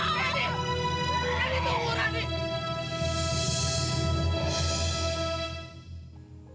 rani tunggu ran nih